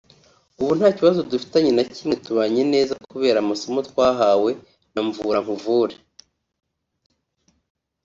ubu nta kibazo dufitanye na gito tubanye neza kubera amasomo twahawe na Mvura nkuvure